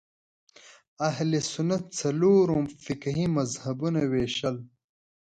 اهل سنت څلورو فقهي مذهبونو وېشل